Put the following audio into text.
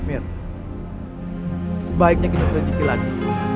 mir sebaiknya kita selanjutnya lagi